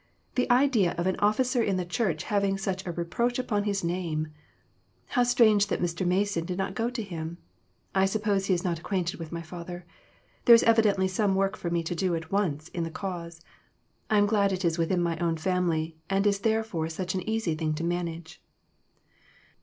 The idea of an officer in the church having such a reproach upon his name ! How strange that Mr. Mason did not go to him. I suppose he is not acquainted with my father. There is evidently some work for me to do at once in the cause. I am glad it is within my own family, and is therefore such an easy thing to manage."